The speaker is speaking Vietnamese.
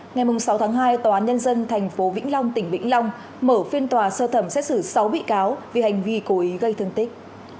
ngày sáu tháng hai tòa án nhân dân tp vĩnh long tỉnh vĩnh long mở phiên tòa sơ thẩm xét xử sáu bị cáo vì hành vi cố ý gây thương tích